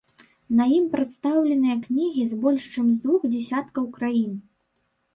На ім прадстаўленыя кнігі з больш чым з двух дзясяткаў краін.